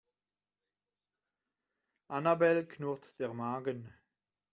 Annabel knurrt der Magen.